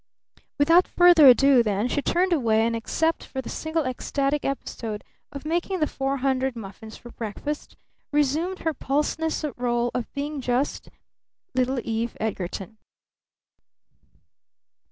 Without further ado then, she turned away, and, except for the single ecstatic episode of making the four hundred muffins for breakfast, resumed her pulseless role of being just little Eve Edgarton.